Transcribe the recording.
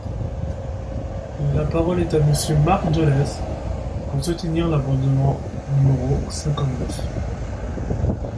La parole est à Monsieur Marc Dolez, pour soutenir l’amendement numéro cinquante-neuf.